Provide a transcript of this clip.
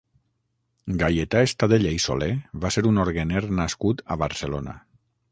Gaietà Estadella i Solé va ser un orguener nascut a Barcelona.